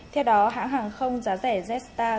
theo đó hãng hàng không giá rẻ z star